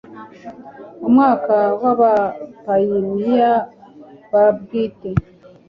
Mu mwaka wa abapayiniya ba bwite